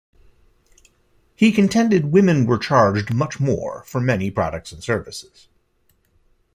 He contended women were charged much more for many products and services.